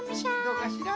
「どうかしら？」。